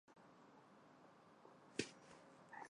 大业十一年李渊任山西河东郡慰抚大使。